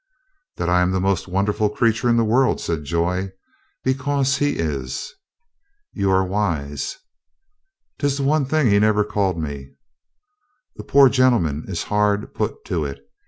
"That I am the most wonderful creature in the world," said Joy. "Because he is." "You are wise." " 'Tis the one thing he never called me." "The poor gentleman is hard put to it.